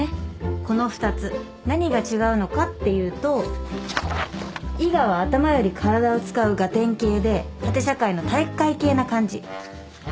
この２つ何が違うのかっていうと伊賀は頭より体を使うガテン系で縦社会の体育会系な感じ。